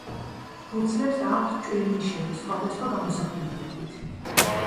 ფურცლებს აქვს ჭვირნიშნები სხვადასხვა გამოსახულებებით.